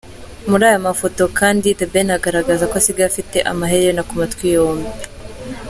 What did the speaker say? Muri aya mafoto kandi, The Ben agaragaza ko asigaye afite amaherena ku matwi yombi.